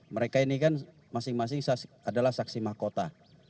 mereka ini kan masing masing adalah saksi mahkota